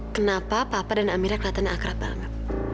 kenapa papa dan amira kelihatannya akrab banget